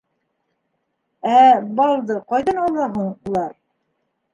— Ә балды ҡайҙан ала һуң улар?